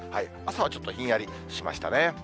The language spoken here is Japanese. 朝はちょっとひんやりしましたね。